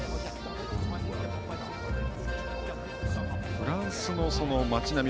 フランスの街並み